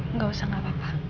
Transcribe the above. enggak usah enggak apa apa